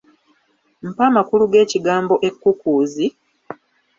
Mpa amakaulu g'ekigambo ekkukuuzi?